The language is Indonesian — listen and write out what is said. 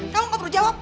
kamu gak perlu jawab